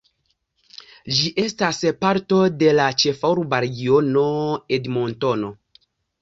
Ĝi estas parto de la Ĉefurba Regiono Edmontono.